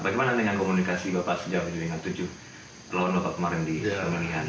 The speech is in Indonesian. bagaimana dengan komunikasi bapak sejauh ini dengan tujuh lawan bapak kemarin di melihat